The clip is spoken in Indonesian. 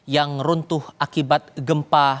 yang runtuh akibat gempa